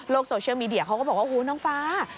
โซเชียลมีเดียเขาก็บอกว่าหูน้องฟ้า